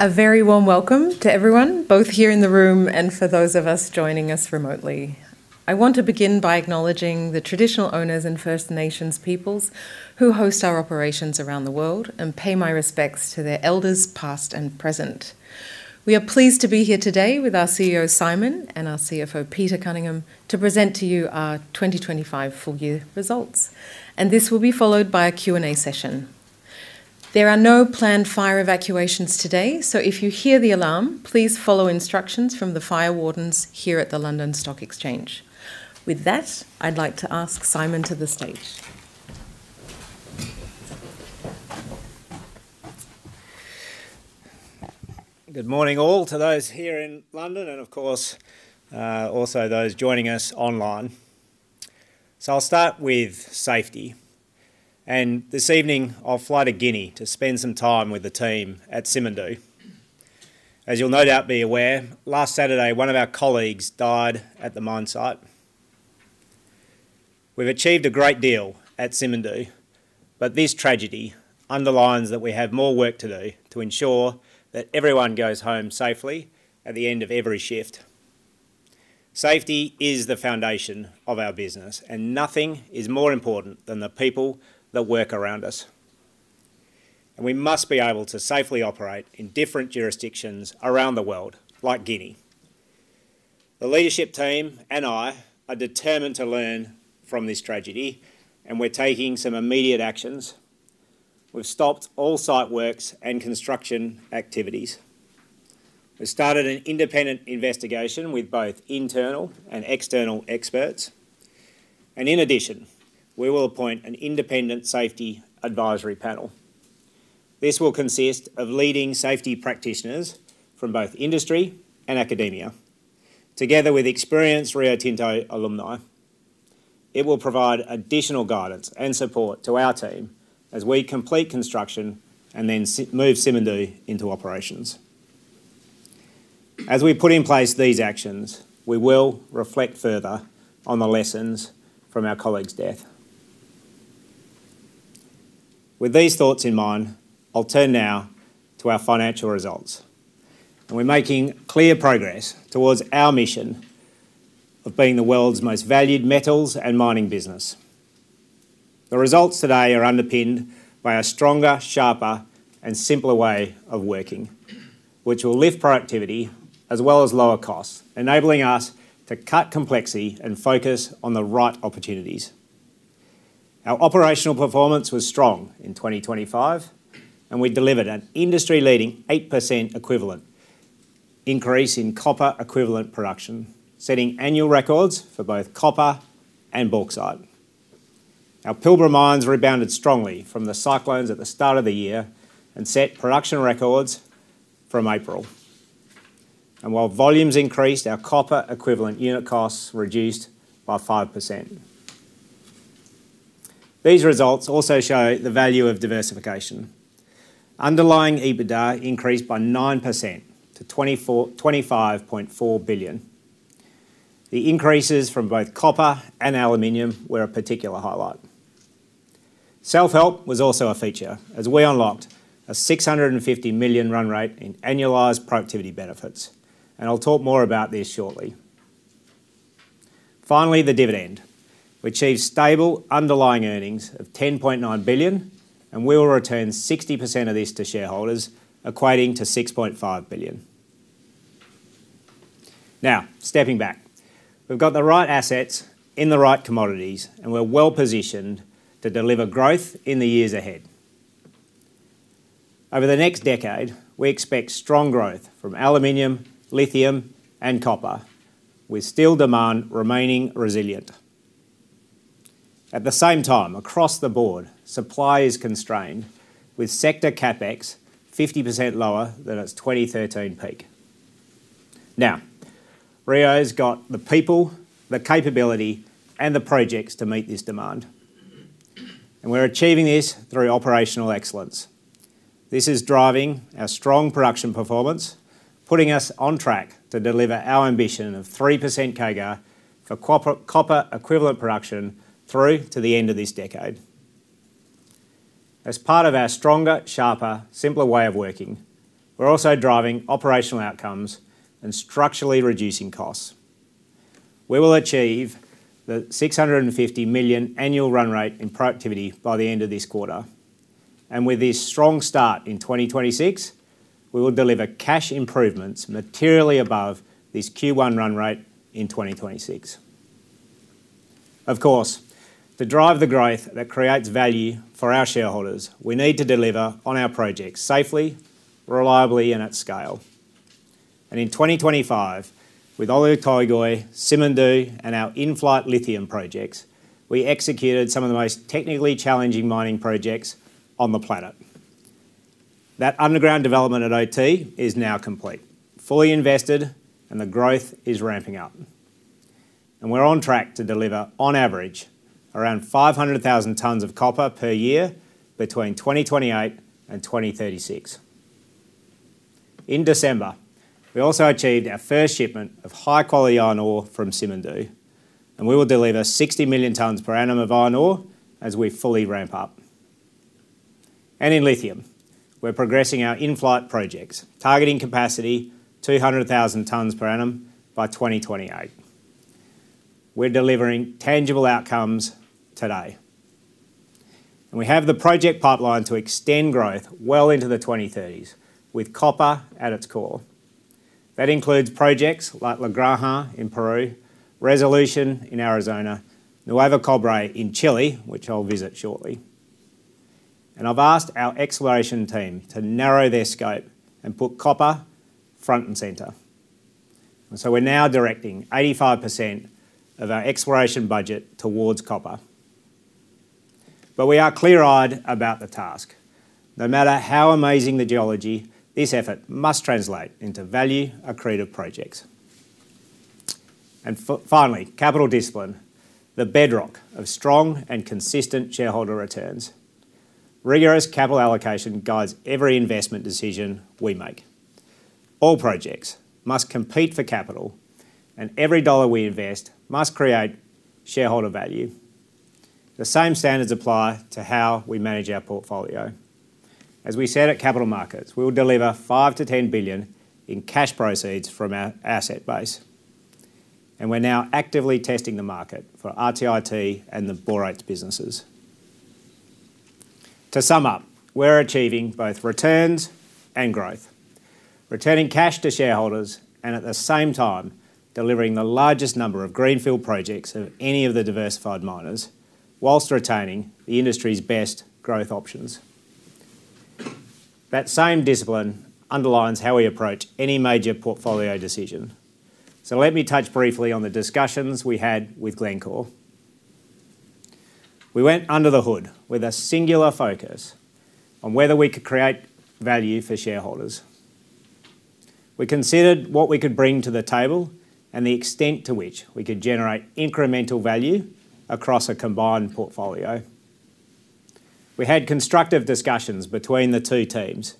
A very warm welcome to everyone, both here in the room and for those of us joining us remotely. I want to begin by acknowledging the traditional owners and First Nations peoples who host our operations around the world, and pay my respects to their elders, past and present. We are pleased to be here today with our CEO, Simon, and our CFO, Peter Cunningham, to present to you our 2025 full-year results, and this will be followed by a Q&A session. There are no planned fire evacuations today, so if you hear the alarm, please follow instructions from the fire wardens here at the London Stock Exchange. With that, I'd like to ask Simon to the stage. Good morning, all, to those here in London and, of course, also those joining us online. I'll start with safety, and this evening I'll fly to Guinea to spend some time with the team at Simandou. As you'll no doubt be aware, last Saturday, one of our colleagues died at the mine site. We've achieved a great deal at Simandou, but this tragedy underlines that we have more work to do to ensure that everyone goes home safely at the end of every shift. Safety is the foundation of our business, and nothing is more important than the people that work around us, and we must be able to safely operate in different jurisdictions around the world, like Guinea. The leadership team and I are determined to learn from this tragedy, and we're taking some immediate actions. We've stopped all site works and construction activities. We've started an independent investigation with both internal and external experts, and in addition, we will appoint an independent safety advisory panel. This will consist of leading safety practitioners from both industry and academia, together with experienced Rio Tinto alumni. It will provide additional guidance and support to our team as we complete construction and then move Simandou into operations. As we put in place these actions, we will reflect further on the lessons from our colleague's death. With these thoughts in mind, I'll turn now to our financial results. We're making clear progress towards our mission of being the world's most valued metals and mining business. The results today are underpinned by a stronger, sharper, and simpler way of working, which will lift productivity as well as lower costs, enabling us to cut complexity and focus on the right opportunities. Our operational performance was strong in 2025, and we delivered an industry-leading 8% equivalent increase in copper equivalent production, setting annual records for both copper and bauxite. Our Pilbara mines rebounded strongly from the cyclones at the start of the year and set production records from April. While volumes increased, our copper equivalent unit costs reduced by 5%. These results also show the value of diversification. Underlying EBITDA increased by 9% to $25.4 billion. The increases from both copper and aluminum were a particular highlight. Self-help was also a feature, as we unlocked a $650 million run rate in annualized productivity benefits, and I'll talk more about this shortly. Finally, the dividend. We achieved stable underlying earnings of $10.9 billion, and we will return 60% of this to shareholders, equating to $6.5 billion. Now, stepping back, we've got the right assets in the right commodities, and we're well positioned to deliver growth in the years ahead. Over the next decade, we expect strong growth from aluminum, lithium, and copper, with steel demand remaining resilient. At the same time, across the board, supply is constrained, with sector CapEx 50% lower than its 2013 peak. Now, Rio's got the people, the capability, and the projects to meet this demand, and we're achieving this through operational excellence. This is driving our strong production performance, putting us on track to deliver our ambition of 3% CAGR for copper equivalent production through to the end of this decade. As part of our stronger, sharper, simpler way of working, we're also driving operational outcomes and structurally reducing costs. We will achieve the $650 million annual run rate in productivity by the end of this quarter, and with this strong start in 2026, we will deliver cash improvements materially above this Q1 run rate in 2026. Of course, to drive the growth that creates value for our shareholders, we need to deliver on our projects safely, reliably, and at scale. In 2025, with Oyu Tolgoi, Simandou, and our in-flight lithium projects, we executed some of the most technically challenging mining projects on the planet. That underground development at OT is now complete, fully invested, and the growth is ramping up, and we're on track to deliver, on average, around 500,000 tonnes of copper per year between 2028 and 2036. In December, we also achieved our first shipment of high-quality iron ore from Simandou. We will deliver 60 million tons per annum of iron ore as we fully ramp up. In lithium, we're progressing our in-flight projects, targeting capacity 200,000 tons per annum by 2028. We're delivering tangible outcomes today. We have the project pipeline to extend growth well into the 2030s, with copper at its core. That includes projects like La Granja in Peru, Resolution in Arizona, Nuevo Cobre in Chile, which I'll visit shortly. I've asked our exploration team to narrow their scope and put copper front and center. We're now directing 85% of our exploration budget towards copper. We are clear-eyed about the task. No matter how amazing the geology, this effort must translate into value-accretive projects. Finally, capital discipline, the bedrock of strong and consistent shareholder returns. Rigorous capital allocation guides every investment decision we make. All projects must compete for capital, and every dollar we invest must create shareholder value. The same standards apply to how we manage our portfolio. As we said at Capital Markets, we will deliver $5 billion-$10 billion in cash proceeds from our asset base, and we're now actively testing the market for RTIT and the Borates businesses. To sum up, we're achieving both returns and growth, returning cash to shareholders and at the same time, delivering the largest number of greenfield projects of any of the diversified miners, whilst retaining the industry's best growth options. That same discipline underlines how we approach any major portfolio decision. Let me touch briefly on the discussions we had with Glencore. We went under the hood with a singular focus on whether we could create value for shareholders. We considered what we could bring to the table and the extent to which we could generate incremental value across a combined portfolio. We had constructive discussions between the two teams.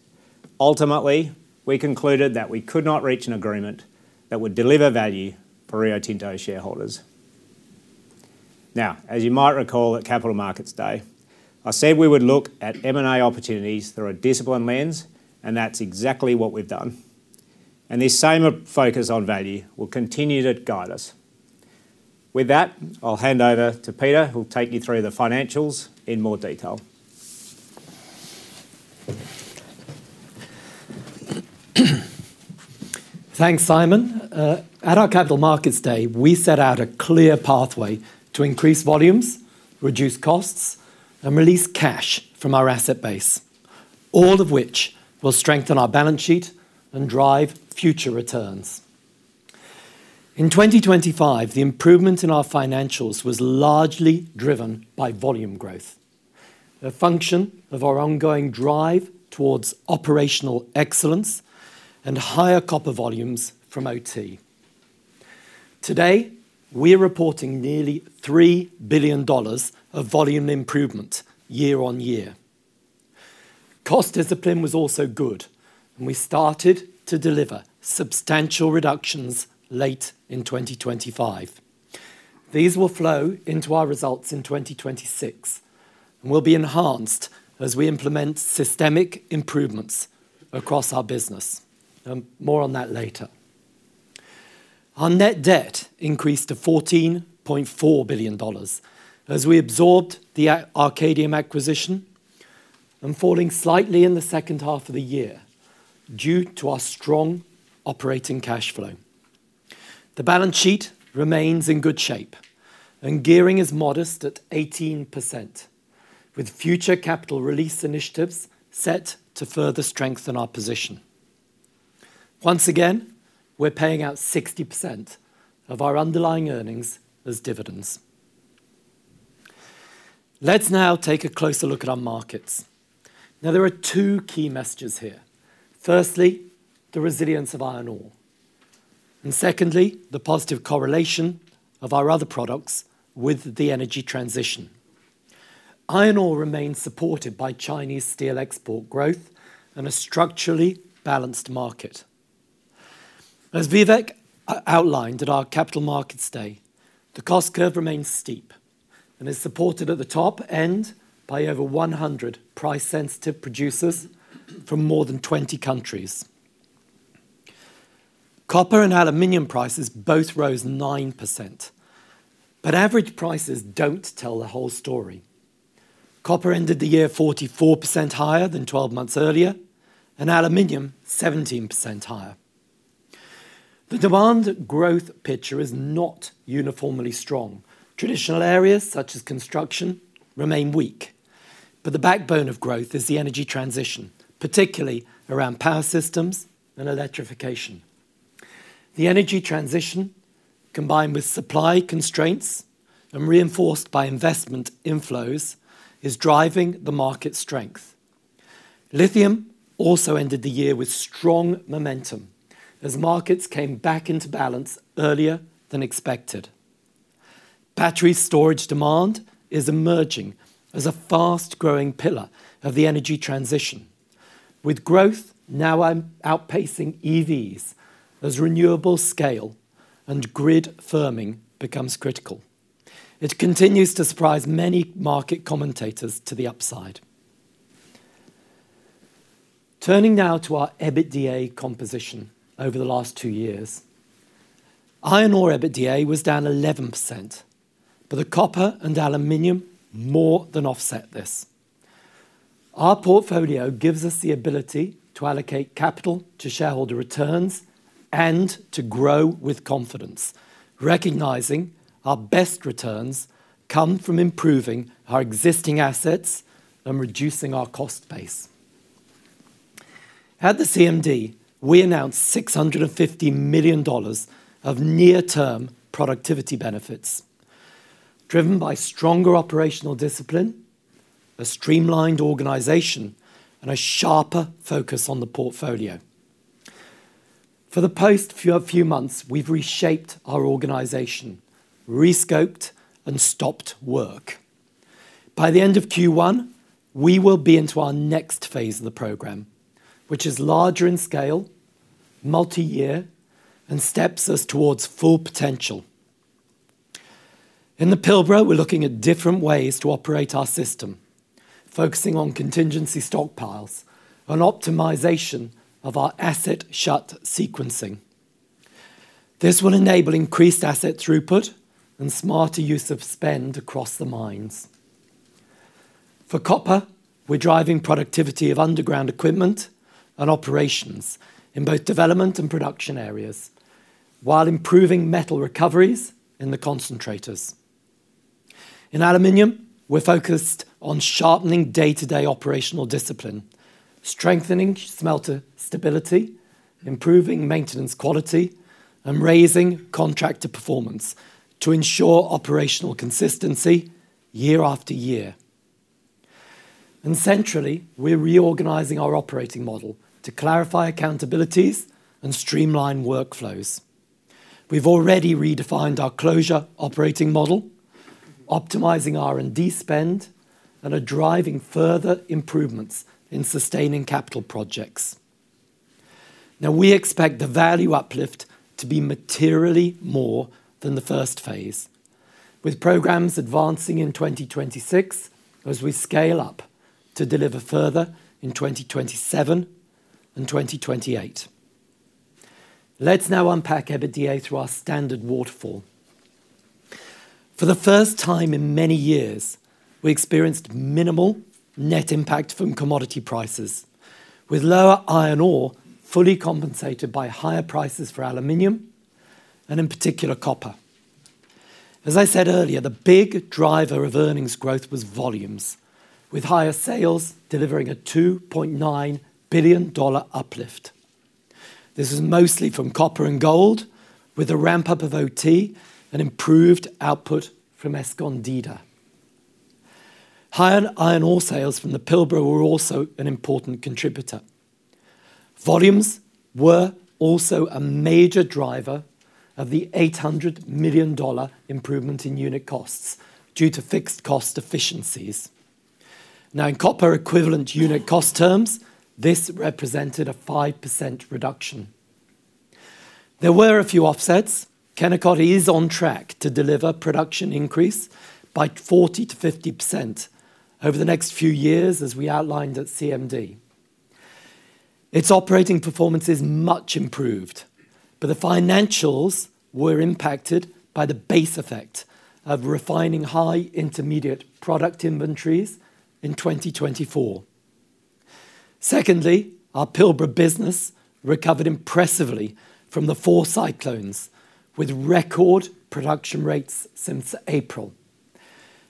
Ultimately, we concluded that we could not reach an agreement that would deliver value for Rio Tinto shareholders. Now, as you might recall at Capital Markets Day, I said we would look at M&A opportunities through a disciplined lens, and that's exactly what we've done. This same focus on value will continue to guide us. With that, I'll hand over to Peter, who'll take you through the financials in more detail. Thanks, Simon. At our Capital Markets Day, we set out a clear pathway to increase volumes, reduce costs, and release cash from our asset base, all of which will strengthen our balance sheet and drive future returns. In 2025, the improvement in our financials was largely driven by volume growth, a function of our ongoing drive towards operational excellence and higher copper volumes from OT Today, we're reporting nearly $3 billion of volume improvement year-on-year. Cost discipline was also good, and we started to deliver substantial reductions late in 2025. These will flow into our results in 2026 and will be enhanced as we implement systemic improvements across our business. More on that later. Our net debt increased to $14.4 billion as we absorbed the Arcadium acquisition and falling slightly in the second half of the year due to our strong operating cash flow. The balance sheet remains in good shape, and gearing is modest at 18%, with future capital release initiatives set to further strengthen our position. Once again, we're paying out 60% of our underlying earnings as dividends. Let's now take a closer look at our markets. Now, there are two key messages here: firstly, the resilience of iron ore, and secondly, the positive correlation of our other products with the energy transition. Iron ore remains supported by Chinese steel export growth and a structurally balanced market. As Vivek outlined at our Capital Markets Day, the cost curve remains steep and is supported at the top end by over 100 price-sensitive producers from more than 20 countries. Copper and aluminum prices both rose 9%, but average prices don't tell the whole story. Copper ended the year 44% higher than 12 months earlier, and aluminum, 17% higher. The demand growth picture is not uniformly strong. Traditional areas, such as construction, remain weak, but the backbone of growth is the energy transition, particularly around power systems and electrification. The energy transition, combined with supply constraints and reinforced by investment inflows, is driving the market strength. Lithium also ended the year with strong momentum as markets came back into balance earlier than expected. Battery storage demand is emerging as a fast-growing pillar of the energy transition. With growth now outpacing EVs as renewable scale and grid firming becomes critical. It continues to surprise many market commentators to the upside. Turning now to our EBITDA composition over the last two years. Iron ore EBITDA was down 11%, but the copper and aluminum more than offset this. Our portfolio gives us the ability to allocate capital to shareholder returns and to grow with confidence, recognizing our best returns come from improving our existing assets and reducing our cost base. At the CMD, we announced $650 million of near-term productivity benefits, driven by stronger operational discipline, a streamlined organization, and a sharper focus on the portfolio. For the past few months, we've reshaped our organization, rescoped and stopped work. By the end of Q1, we will be into our next phase of the program, which is larger in scale, multi-year, and steps us towards full potential. In the Pilbara, we're looking at different ways to operate our system, focusing on contingency stockpiles and optimization of our asset shut sequencing. This will enable increased asset throughput and smarter use of spend across the mines. For copper, we're driving productivity of underground equipment and operations in both development and production areas, while improving metal recoveries in the concentrators. In aluminum, we're focused on sharpening day-to-day operational discipline, strengthening smelter stability, improving maintenance quality, and raising contractor performance to ensure operational consistency year after year. Centrally, we're reorganizing our operating model to clarify accountabilities and streamline workflows. We've already redefined our closure operating model, optimizing R&D spend, and are driving further improvements in sustaining capital projects. Now, we expect the value uplift to be materially more than the first phase, with programs advancing in 2026 as we scale up to deliver further in 2027 and 2028. Let's now unpack EBITDA through our standard waterfall. For the first time in many years, we experienced minimal net impact from commodity prices, with lower iron ore fully compensated by higher prices for aluminum and in particular, copper. As I said earlier, the big driver of earnings growth was volumes, with higher sales delivering a $2.9 billion uplift. This is mostly from copper and gold, with a ramp-up of OT and improved output from Escondida. Higher iron ore sales from the Pilbara were also an important contributor. Volumes were also a major driver of the $800 million improvement in unit costs due to fixed cost efficiencies. Now, in copper equivalent unit cost terms, this represented a 5% reduction. There were a few offsets. Kennecott is on track to deliver production increase by 40%-50% over the next few years, as we outlined at CMD. Its operating performance is much improved, but the financials were impacted by the base effect of refining high intermediate product inventories in 2024. Secondly, our Pilbara business recovered impressively from the four cyclones, with record production rates since April.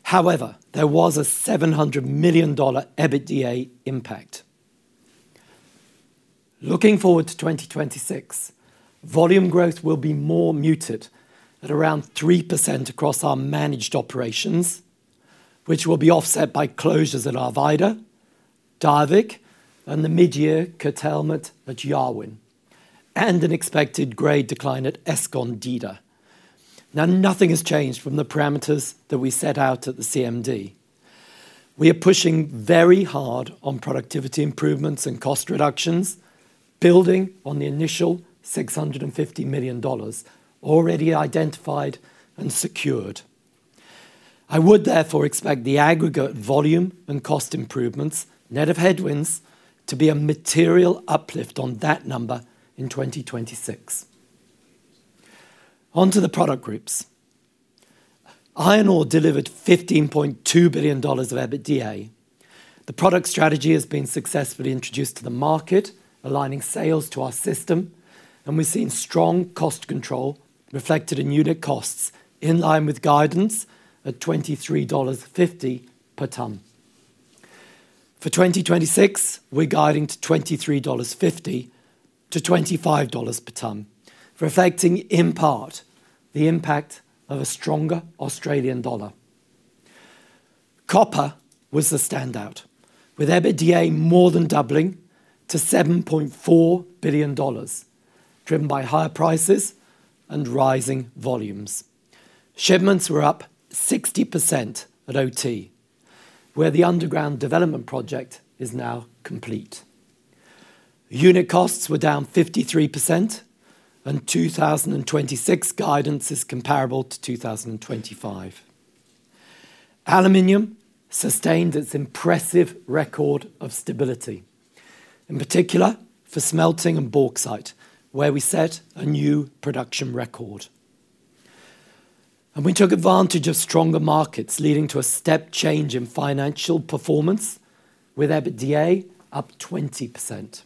However, there was a $700 million EBITDA impact. Looking forward to 2026, volume growth will be more muted at around 3% across our managed operations, which will be offset by closures at Arvida, Diavik, and the mid-year curtailment at Yarwun, and an expected grade decline at Escondida. Now, nothing has changed from the parameters that we set out at the CMD. We are pushing very hard on productivity improvements and cost reductions, building on the initial $650 million already identified and secured. I would therefore expect the aggregate volume and cost improvements, net of headwinds, to be a material uplift on that number in 2026. On to the product groups. Iron ore delivered $15.2 billion of EBITDA. The product strategy has been successfully introduced to the market, aligning sales to our system, and we've seen strong cost control reflected in unit costs in line with guidance at $23.50 per ton. For 2026, we're guiding to $23.50-$25 per ton, reflecting in part the impact of a stronger Australian dollar. Copper was the standout, with EBITDA more than doubling to $7.4 billion, driven by higher prices and rising volumes. Shipments were up 60% at OT, where the underground development project is now complete. Unit costs were down 53%, and 2026 guidance is comparable to 2025. Aluminum sustained its impressive record of stability, in particular for smelting and bauxite, where we set a new production record. We took advantage of stronger markets, leading to a step change in financial performance, with EBITDA up 20%.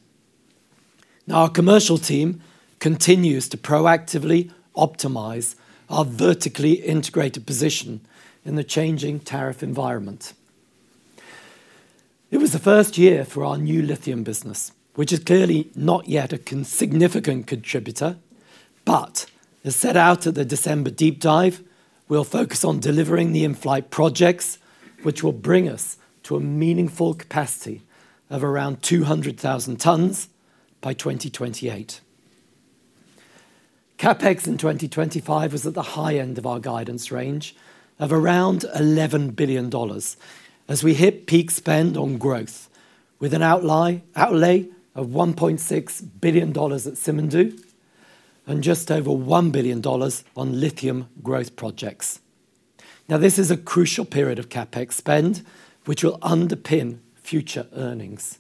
Now, our commercial team continues to proactively optimize our vertically integrated position in the changing tariff environment. It was the first year for our new lithium business, which is clearly not yet a significant contributor, but as set out at the December Deep Dive, we'll focus on delivering the in-flight projects, which will bring us to a meaningful capacity of around 200,000 tonnes by 2028. CapEx in 2025 was at the high end of our guidance range of around $11 billion, as we hit peak spend on growth, with an outlay of $1.6 billion at Simandou and just over $1 billion on lithium growth projects. Now, this is a crucial period of CapEx spend, which will underpin future earnings.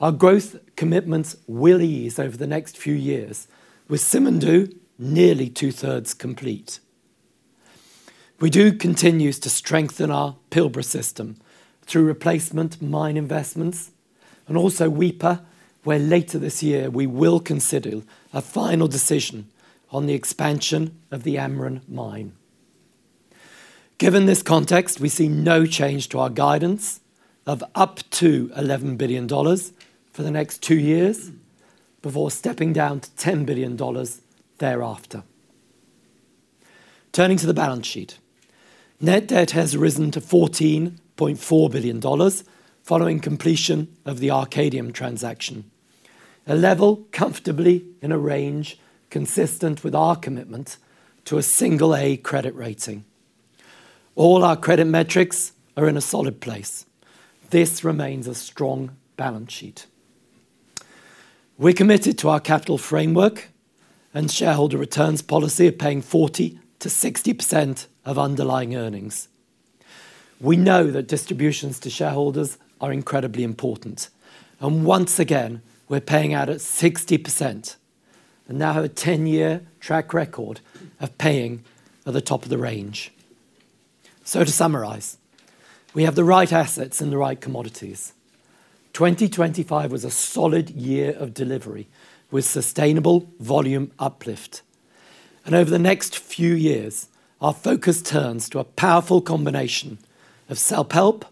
Our growth commitments will ease over the next few years, with Simandou nearly two-thirds complete. We do continue to strengthen our Pilbara system through replacement mine investments and also Weipa, where later this year we will consider a final decision on the expansion of the Amrun mine. Given this context, we see no change to our guidance of up to $11 billion for the next two years, before stepping down to $10 billion thereafter. Turning to the balance sheet. Net debt has risen to $14.4 billion following completion of the Arcadium transaction, a level comfortably in a range consistent with our commitment to a Single A credit rating. All our credit metrics are in a solid place. This remains a strong balance sheet. We're committed to our capital framework and shareholder returns policy of paying 40%-60% of underlying earnings. We know that distributions to shareholders are incredibly important, and once again, we're paying out at 60% and now have a 10-year track record of paying at the top of the range. To summarize, we have the right assets and the right commodities. 2025 was a solid year of delivery with sustainable volume uplift. Over the next few years, our focus turns to a powerful combination of self-help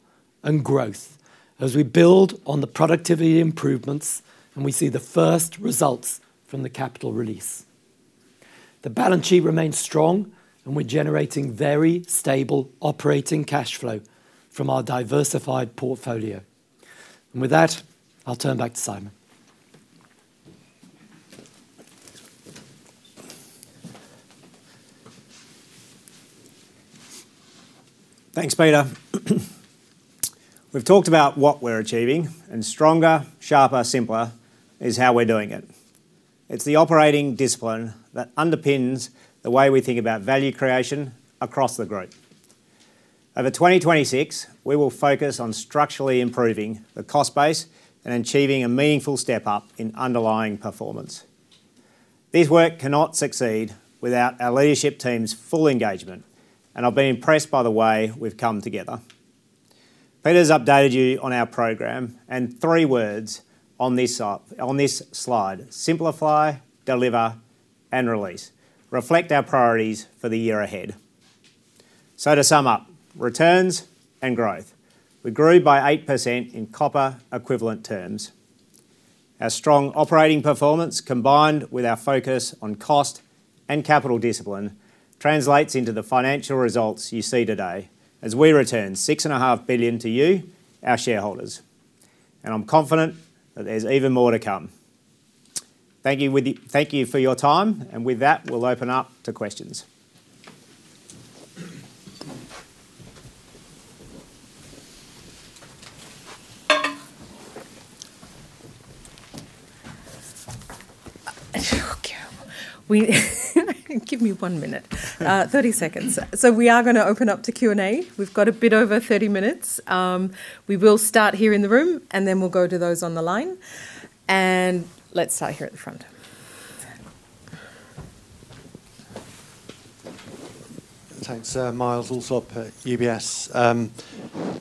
and growth as we build on the productivity improvements, and we see the first results from the capital release. The balance sheet remains strong, and we're generating very stable operating cash flow from our diversified portfolio. With that, I'll turn back to Simon. * If I remove "on this up", I get: * "Peter's updated you on our program, and three words on this slide, simplify, deliver, and release, reflect our priorities for the year ahead." * This looks solid. * Wait, "eight percent" -> "8%". * "twenty twenty-six" -> "2026". * "three words" -> "three words". * "programme" -> "program". * Wait, "stronger, sharper, simpler". * "simplify, deliver, and release". * These are lists of three. * Wait, "To sum up Our strong operating performance, combined with our focus on cost and capital discipline, translates into the financial results you see today as we return $6.5 billion to you, our shareholders, and I'm confident that there's even more to come. Thank you for your time, and with that, we'll open up to questions. Give me one minute, 30 seconds. We are gonna open up to Q&A. We've got a bit over 30 minutes. We will start here in the room, and then we'll go to those on the line. Let's start here at the front. Thanks. Myles Allsop, UBS.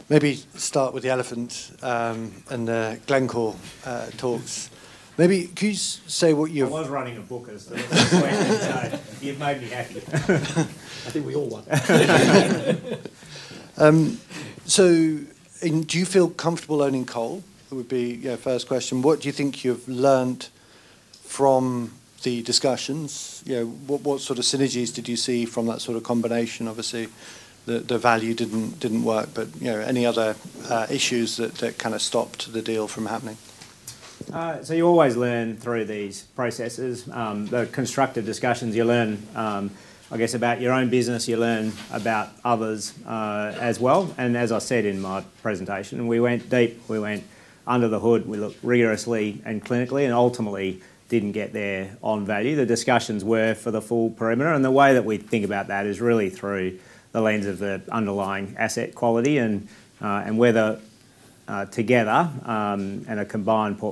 Maybe start with the elephant and Glencore talks. Maybe could you say what you- I was running a book. You made me happy. I think we all won. Do you feel comfortable owning coal? Would be, yeah, first question. What do you think you've learned from the discussions? You know, what sort of synergies did you see from that sort of combination? Obviously, the value didn't work, but, you know, any other issues that kind of stopped the deal from happening? I'll keep the words as spoken. *Wait, "the, uh, assessed the transaction":* Original: "...assessed the, uh, assessed the transaction." If I remove "the, uh, assessed", I am removing a stutter. Original: "...assessed the, uh, assessed the transaction." If I remove "the, uh, assessed", I am left with "assessed the transaction." This is correct per Rule 1 ("ONLY REMOVE distracting fillers and stutters"). *Wait, "and, uh, and whether":* Original: "...asset quality, and, uh, and whether..." If I remove "and, uh,", I am left with "and whether". This is correct. *Wait, "uh, so you always learn":* If I remove "Uh, so", I am removing a filler and a starter conjunction. This is correct per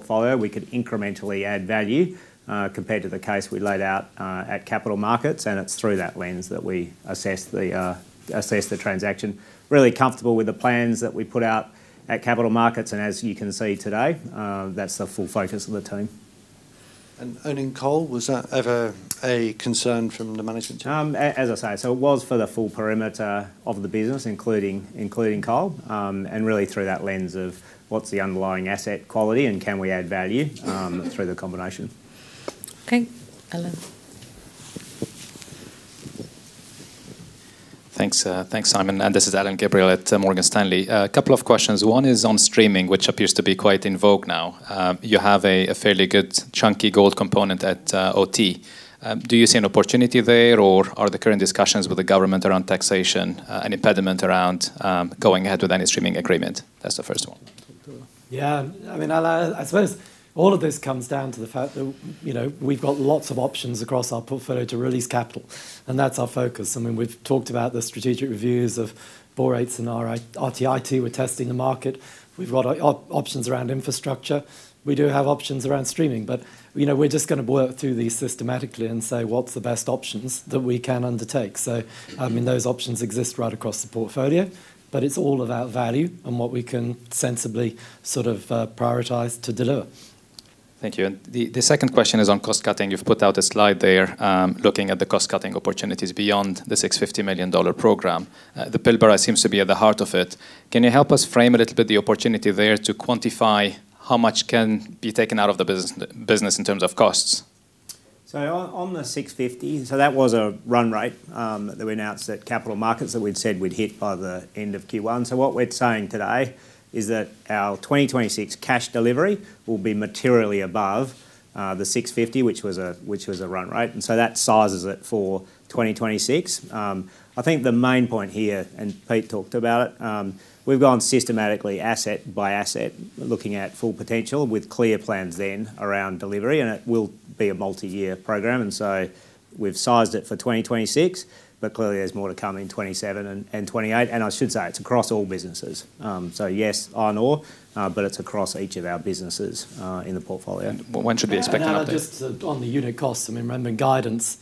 Rule 1 an Owning coal, was that ever a concern from the management team? As I say, so it was for the full perimeter of the business, including coal. Really through that lens of what's the underlying asset quality, and can we add value through the combination? Okay. Alan. Thanks, Simon. This is Alain Gabriel at Morgan Stanley. A couple of questions. One is on streaming, which appears to be quite in vogue now. You have a fairly good chunky gold component at OT Do you see an opportunity there, or are the current discussions with the government around taxation an impediment around going ahead with any streaming agreement? That's the first one. Yeah. I mean, Alan, I suppose all of this comes down to the fact that, you know, we've got lots of options across our portfolio to release capital, and that's our focus. I mean, we've talked about the strategic reviews of borates and our RTIT. We're testing the market. We've got options around infrastructure. We do have options around streaming, but, you know, we're just gonna work through these systematically and say, "What's the best options that we can undertake?" I mean, those options exist right across the portfolio, but it's all about value and what we can sensibly sort of prioritize to deliver. Thank you. The second question is on cost cutting. You've put out a slide there looking at the cost-cutting opportunities beyond the 650 million-dollar program. The Pilbara seems to be at the heart of it. Can you help us frame a little bit the opportunity there to quantify how much can be taken out of the business in terms of costs? On the $650, so that was a run rate that we announced at Capital Markets that we'd said we'd hit by the end of Q1. What we're saying today is that our 2026 cash delivery will be materially above the $650, which was a run rate, and so that sizes it for 2026. I think the main point here, and Pete talked about it. We've gone systematically asset by asset, looking at full potential with clear plans then around delivery, and it will be a multi-year program. We've sized it for 2026, but clearly there's more to come in 2027 and 2028. I should say, it's across all businesses. Yes, iron ore, but it's across each of our businesses in the portfolio. When should we expect that? Just on the unit costs, I mean, remember, guidance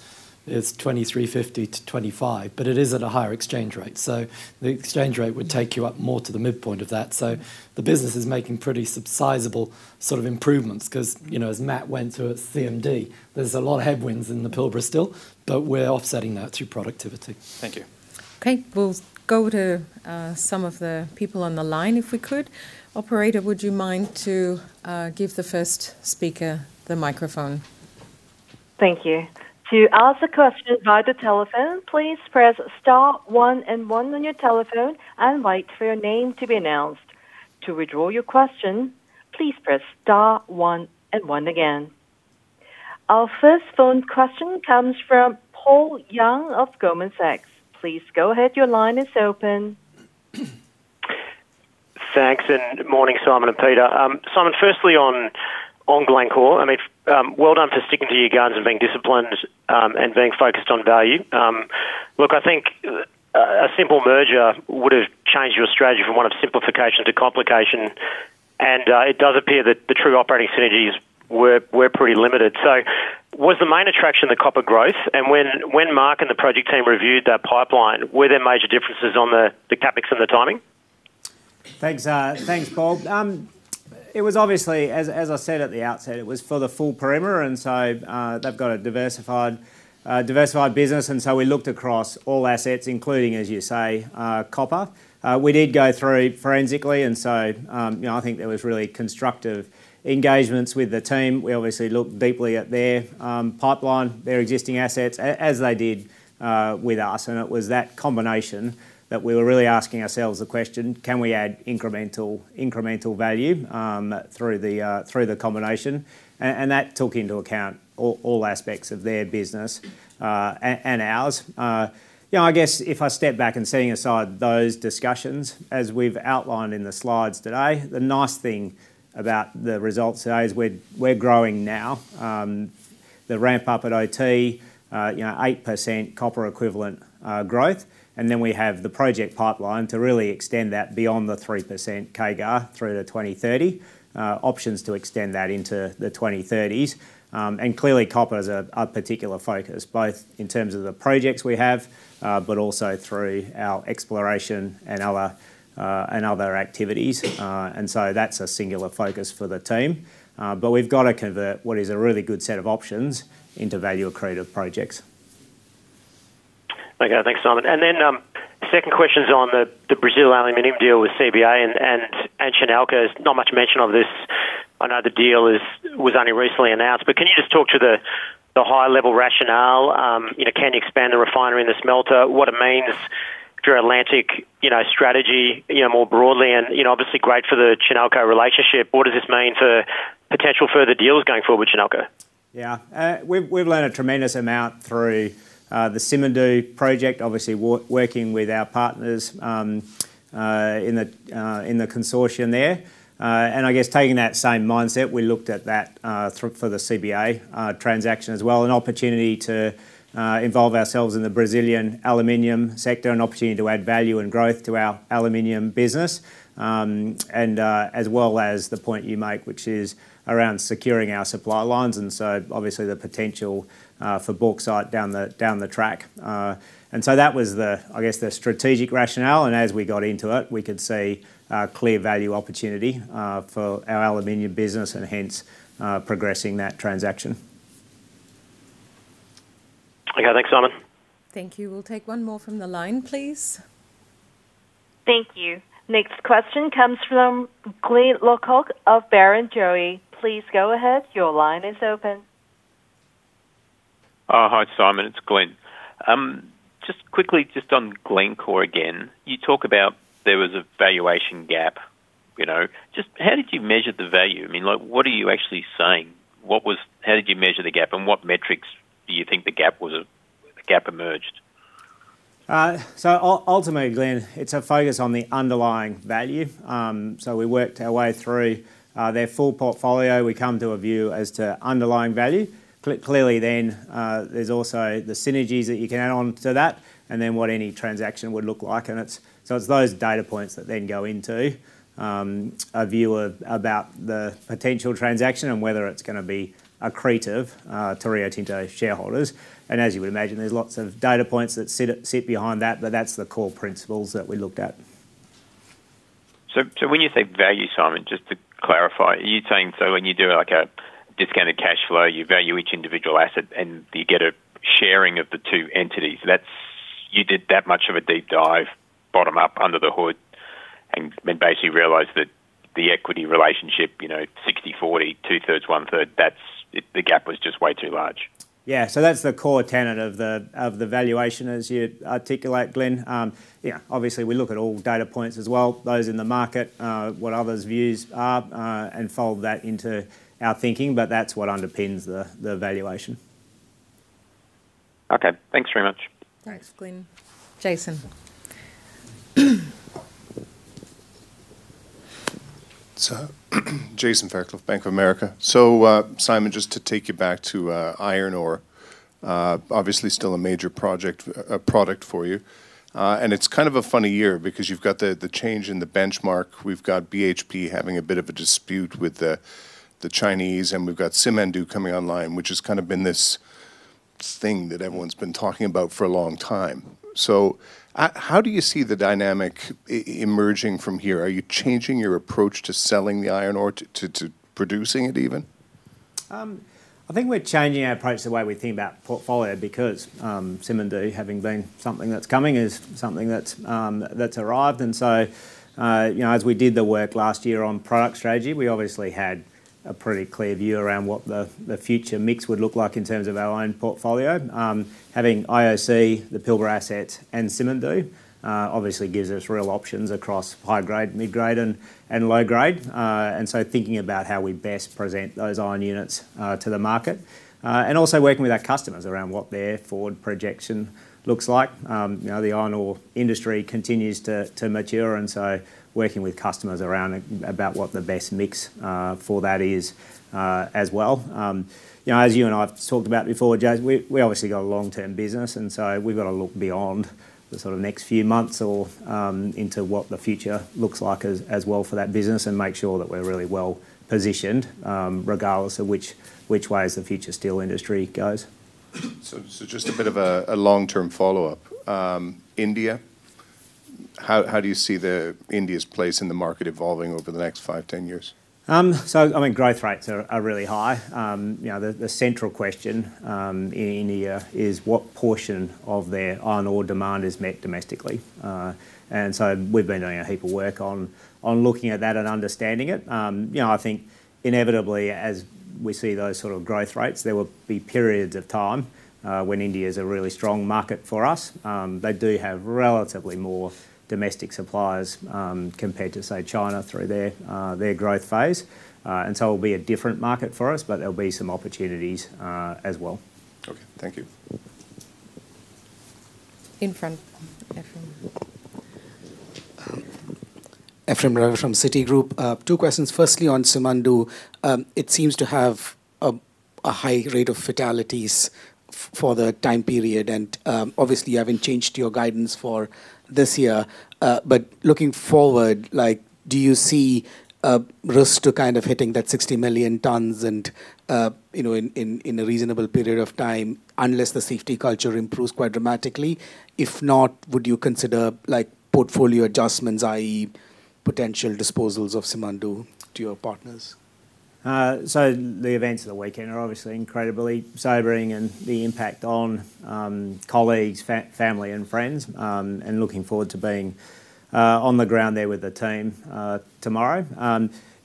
is $23.50-$25, but it is at a higher exchange rate. The exchange rate would take you up more to the midpoint of that. The business is making pretty sizable sort of improvements 'cause, you know, as Matt went through at CMD, there's a lot of headwinds in the Pilbara still, but we're offsetting that through productivity. Thank you. Okay. We'll go to some of the people on the line, if we could. Operator, would you mind to give the first speaker the microphone? Thank you. To ask a question via the telephone, please press star one and one on your telephone and wait for your name to be announced. To withdraw your question, please press star one and one again. Our first phone question comes from Paul Young of Goldman Sachs. Please go ahead. Your line is open. Thanks, and good morning, Simon and Peter. Simon, firstly on Glencore, I mean, well done for sticking to your guns and being disciplined and being focused on value. Look, I think a simple merger would have changed your strategy from one of simplification to complication, and it does appear that the true operating synergies were pretty limited. Was the main attraction the copper growth? When Mark and the project team reviewed that pipeline, were there major differences on the CapEx and the timing? Thanks, Paul. It was obviously, as I said at the outset, it was for the full perimeter, and so they've got a diversified business. We looked across all assets, including, as you say, copper. We did go through forensically, and so, you know, I think there was really constructive engagements with the team. We obviously looked deeply at their pipeline, their existing assets, as they did with us, and it was that combination that we were really asking ourselves the question: Can we add incremental value through the combination? That took into account all aspects of their business and ours. You know, I guess if I step back and setting aside those discussions, as we've outlined in the slides today, the nice thing about the results today is we're growing now. The ramp-up at OT, you know, 8% copper equivalent growth, and then we have the project pipeline to really extend that beyond the 3% CAGR through to 2030. Options to extend that into the 2030s. Clearly, copper is a particular focus, both in terms of the projects we have, but also through our exploration and other activities. That's a singular focus for the team. We've got to convert what is a really good set of options into value-accretive projects. Okay, thanks, Simon. Second question's on the Brazil aluminum deal with CBA and Chinalco. There's not much mention of this. I know the deal was only recently announced, but can you just talk to the high-level rationale? You know, can you expand the refinery and the smelter? What it means to your Atlantic, you know, strategy, you know, more broadly, and, you know, obviously great for the Chinalco relationship? What does this mean for potential further deals going forward with Chinalco? Yeah. We've learned a tremendous amount through the Simandou project, obviously working with our partners in the consortium there. I guess taking that same mindset, we looked at that for the CBA transaction as well, an opportunity to involve ourselves in the Brazilian aluminum sector, an opportunity to add value and growth to our aluminum business. As well as the point you make, which is around securing our supply lines, and so obviously the potential for bauxite down the track. That was, I guess, the strategic rationale, and as we got into it, we could see a clear value opportunity for our aluminum business and hence progressing that transaction. Okay, thanks, Simon. Thank you. We'll take one more from the line, please. Thank you. Next question comes from Glyn Lawcock of Barrenjoey. Please go ahead. Your line is open. Hi, Simon. It's Glenn. Just quickly, just on Glencore again, you talk about there was a valuation gap, you know. Just how did you measure the value? I mean, like, what are you actually saying? How did you measure the gap, and what metrics do you think the gap emerged? Ultimately, Glyn, it's a focus on the underlying value. We worked our way through their full portfolio. We come to a view as to underlying value. Clearly then, there's also the synergies that you can add on to that and then what any transaction would look like. It's those data points that then go into a view of, about the potential transaction and whether it's gonna be accretive to Rio Tinto shareholders. As you would imagine, there's lots of data points that sit behind that, but that's the core principles that we looked at. When you say value, Simon, just to clarify, are you saying so when you do, like, a discounted cash flow, you value each individual asset, and you get a sharing of the two entities? You did that much of a deep dive, bottom-up, under the hood, and then basically realized that the equity relationship, you know, 60/40, 2/3, 1/3, that's, the gap was just way too large. Yeah. That's the core tenet of the valuation, as you articulate, Glenn. Yeah, obviously, we look at all data points as well, those in the market, what others' views are, and fold that into our thinking, but that's what underpins the valuation. Okay. Thanks very much. Thanks, Glenn. Jason? Jason Fairclough, Bank of America. Simon, just to take you back to iron ore, obviously still a major product for you. It's kind of a funny year because you've got the change in the benchmark. We've got BHP having a bit of a dispute with the Chinese, and we've got Simandou coming online, which has kind of been this thing that everyone's been talking about for a long time. How do you see the dynamic emerging from here? Are you changing your approach to selling the iron ore, to producing it even? I think we're changing our approach to the way we think about portfolio because Simandou, having been something that's coming, is something that's arrived. You know, as we did the work last year on product strategy, we obviously had a pretty clear view around what the future mix would look like in terms of our own portfolio. Having IOC, the Pilbara assets, and Simandou obviously gives us real options across high grade, mid grade, and low grade. Also working with our customers around what their forward projection looks like. You know, the iron ore industry continues to mature, and so working with customers around about what the best mix for that is as well. You know, as you and I have talked about before, Jason, we obviously got a long-term business, and so we've got to look beyond the sort of next few months or into what the future looks like as well for that business and make sure that we're really well-positioned regardless of which way is the future steel industry goes. Just a bit of a long-term follow-up. India, how do you see the India's place in the market evolving over the next five-10 years? I mean, growth rates are really high. You know, the central question in India is what portion of their iron ore demand is met domestically? We've been doing a heap of work on looking at that and understanding it. You know, I think inevitably, as we see those sort of growth rates, there will be periods of time when India is a really strong market for us. They do have relatively more domestic suppliers compared to, say, China, through their growth phase. It will be a different market for us, but there'll be some opportunities as well. Okay. Thank you. In front. Ephrem. Ephrem Ravi from Citigroup. Two questions. Firstly, on Simandou, it seems to have a high rate of fatalities for the time period, and obviously, you haven't changed your guidance for this year. Looking forward, like, do you see a risk to kind of hitting that 60 million tons and, you know, in a reasonable period of time, unless the safety culture improves quite dramatically? If not, would you consider, like, portfolio adjustments, i.e., potential disposals of Simandou to your partners? The events of the weekend are obviously incredibly sobering and the impact on colleagues, family, and friends, and looking forward to being on the ground there with the team tomorrow.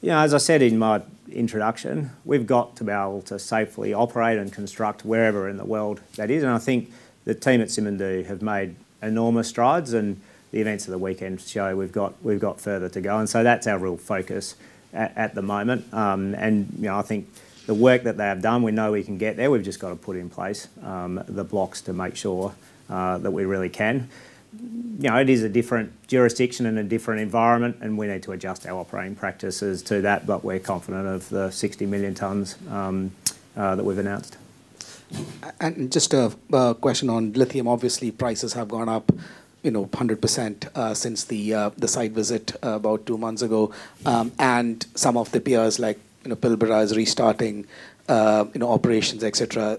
You know, as I said in my introduction, we've got to be able to safely operate and construct wherever in the world that is, and I think the team at Simandou have made enormous strides, and the events of the weekend show we've got further to go. That's our real focus at the moment. You know, I think the work that they have done, we know we can get there. We've just got to put in place the blocks to make sure that we really can. You know, it is a different jurisdiction and a different environment, and we need to adjust our operating practices to that, but we're confident of the 60 million tons that we've announced. Just a question on lithium. Obviously, prices have gone up, you know, 100% since the site visit about two months ago. Some of the peers like, you know, Pilbara is restarting, you know, operations, et cetera.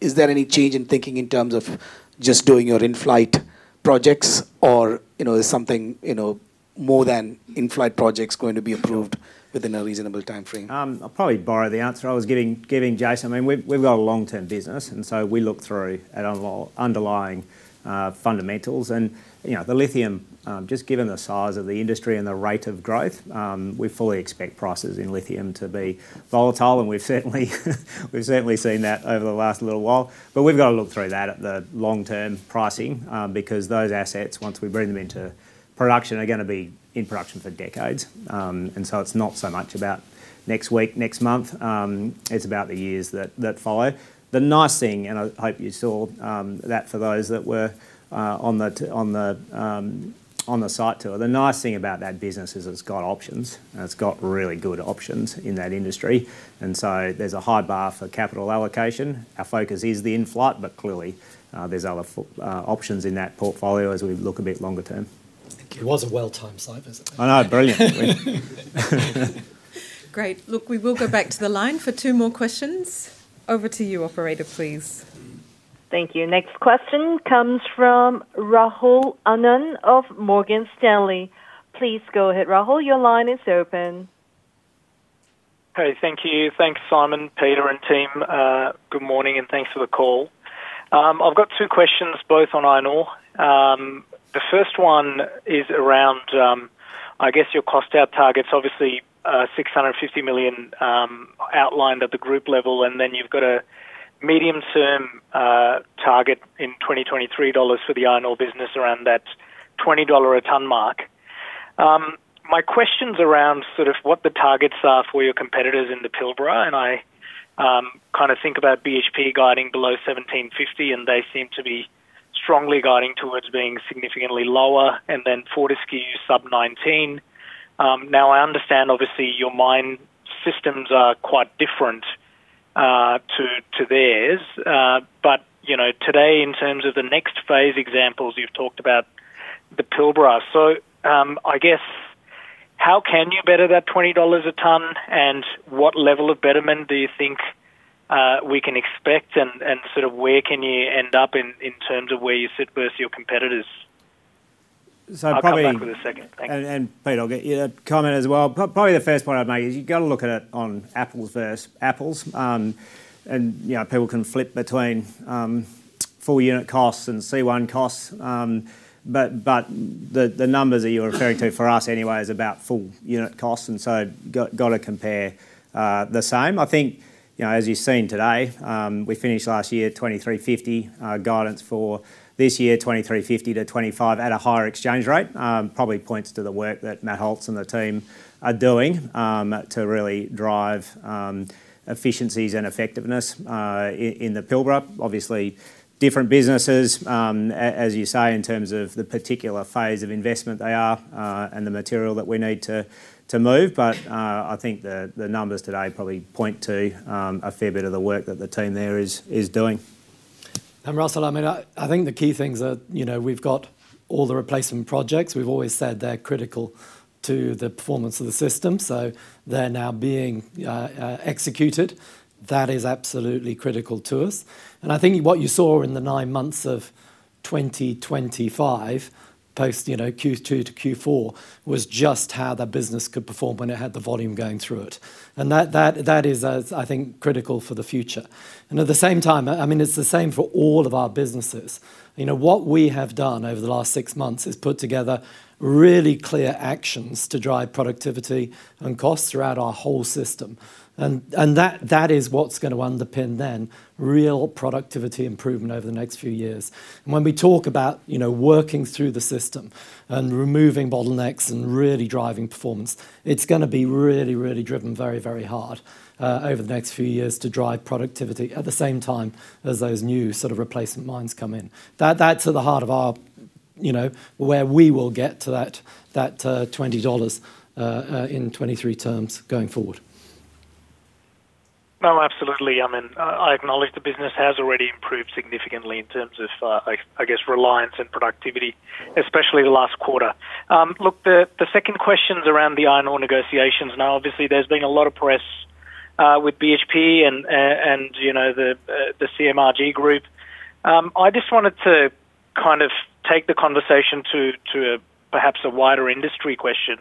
Is there any change in thinking in terms of just doing your in-flight projects or, you know, is something, you know, more than in-flight projects going to be approved within a reasonable timeframe? I'll probably borrow the answer I was giving Jason. I mean, we've got a long-term business, and so we look through at underlying fundamentals. You know, the lithium, just given the size of the industry and the rate of growth, we fully expect prices in lithium to be volatile, and we've certainly seen that over the last little while. We've got to look through that at the long-term pricing because those assets, once we bring them into production, are gonna be in production for decades. It's not so much about next week, next month, it's about the years that follow. The nice thing, and I hope you saw, that for those that were on the site tour. The nice thing about that business is it's got options, and it's got really good options in that industry, and so there's a high bar for capital allocation. Our focus is the in-flight, but clearly there's other options in that portfolio as we look a bit longer term. Thank you. It was a well-timed site visit. I know, brilliant. Great. Look, we will go back to the line for two more questions. Over to you, operator, please. Thank you. Next question comes from Rahul Anand of Morgan Stanley. Please go ahead, Rahul. Your line is open. Hey, thank you. Thanks, Simon, Peter, and team. Good morning, and thanks for the call. I've got two questions, both on iron ore. The first one is around, I guess, your cost-out targets. Obviously, $650 million outlined at the group level, and then you've got a medium-term target in 2023 dollars for the iron ore business around that $20 a ton mark. My question's around sort of what the targets are for your competitors in the Pilbara, and I kind of think about BHP guiding below $17.50, and they seem to be strongly guiding towards being significantly lower, and then Fortescue, sub $19. Now, I understand, obviously, your mine systems are quite different to theirs, but, you know, today, in terms of the next phase examples, you've talked about the Pilbara. I guess, how can you better that $20 a ton, and what level of betterment do you think we can expect, and sort of where can you end up in terms of where you sit versus your competitors? So probably- I'll come back with a second. Thanks. Peter, I'll get your comment as well. Probably the first point I'd make is you've got to look at it on apples versus apples. You know, people can flip between full unit costs and C1 costs, but the numbers that you're referring to, for us anyway, is about full unit cost, and so got to compare the same. I think, you know, as you've seen today, we finished last year at $23.50. Our guidance for this year, $23.50-$25 at a higher exchange rate, probably points to the work that Matt Holtze and the team are doing to really drive efficiencies and effectiveness in the Pilbara. Obviously, different businesses, as you say, in terms of the particular phase of investment they are and the material that we need to move. But I think the numbers today probably point to a fair bit of the work that the team there is doing. Russell, I mean, I think the key things are, you know, we've got all the replacement projects. We've always said they're critical to the performance of the system, so they're now being executed. That is absolutely critical to us. I think what you saw in the nine months of 2025, post, you know, Q2-Q4, was just how the business could perform when it had the volume going through it. That is, I think, critical for the future. At the same time, I mean, it's the same for all of our businesses. You know, what we have done over the last six months is put together really clear actions to drive productivity and costs throughout our whole system, and that is what's gonna underpin then real productivity improvement over the next few years. When we talk about, you know, working through the system and removing bottlenecks and really driving performance, it's gonna be really, really driven very, very hard over the next few years to drive productivity at the same time as those new sort of replacement mines come in. That's at the heart of our, you know, where we will get to that $20 in 2023 terms going forward. No, absolutely. I mean, I acknowledge the business has already improved significantly in terms of, I guess, reliance and productivity, especially the last quarter. Look, the second question's around the iron ore negotiations. Now, obviously, there's been a lot of press with BHP and, you know, the CMRG group. I just wanted to kind of the conversation to perhaps a wider industry question.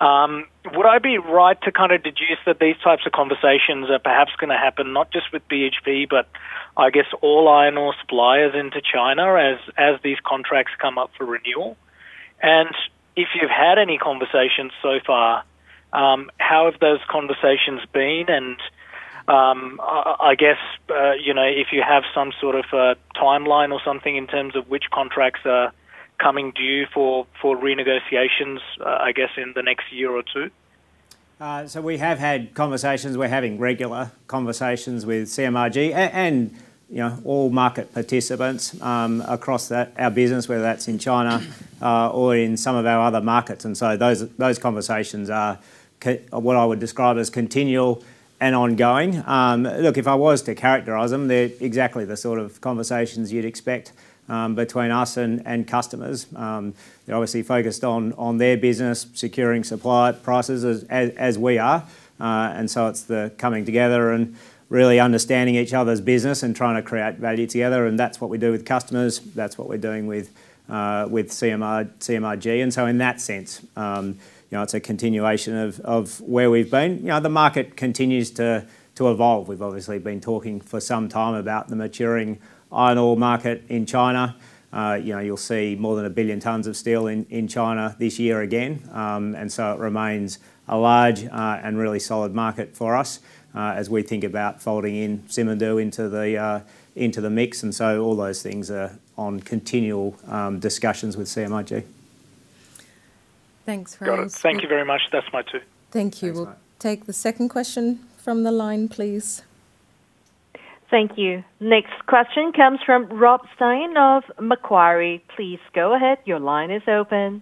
Would I be right to kind of deduce that these types of conversations are perhaps gonna happen not just with BHP, but I guess all iron ore suppliers into China as these contracts come up for renewal? If you've had any conversations so far, how have those conversations been? I guess, you know, if you have some sort of a timeline or something in terms of which contracts are coming due for renegotiations, I guess, in the next year or two. We have had conversations. We're having regular conversations with CMRG and, you know, all market participants across our business, whether that's in China or in some of our other markets. Those conversations are what I would describe as continual and ongoing. Look, if I was to characterize them, they're exactly the sort of conversations you'd expect between us and customers. They're obviously focused on their business, securing supply, prices as we are. It's the coming together and really understanding each other's business and trying to create value together, and that's what we do with customers. That's what we're doing with CMRG. In that sense, you know, it's a continuation of where we've been. You know, the market continues to evolve. We've obviously been talking for some time about the maturing iron ore market in China. You know, you'll see more than 1 billion tons of steel in China this year again. So it remains a large and really solid market for us as we think about folding in Simandou into the mix. So all those things are on continual discussions with CMRG. Thanks, Ryan. Got it. Thank you very much. That's my two. Thank you. Thanks. We'll take the second question from the line, please. Thank you. Next question comes from Rob Stein of Macquarie. Please go ahead. Your line is open.